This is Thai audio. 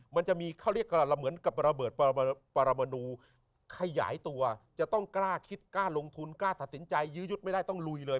มันจะมีเขาเรียกอะไรเหมือนกับระเบิดปรมนูขยายตัวจะต้องกล้าคิดกล้าลงทุนกล้าตัดสินใจยื้อยุดไม่ได้ต้องลุยเลย